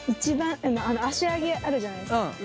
足上げあるじゃないですか？